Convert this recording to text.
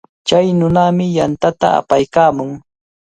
Chay nunami yantata apaykaamun.